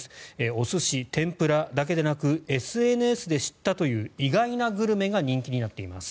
お寿司、天ぷらだけでなくＳＮＳで知ったという意外なグルメが人気になっています。